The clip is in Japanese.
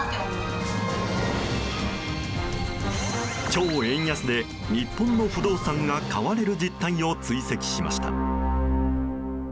超円安で日本の不動産が買われる実態を追跡しました。